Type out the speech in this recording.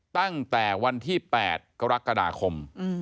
ตั้งแต่วันที่๘กรกฎาคม